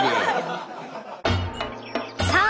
さあ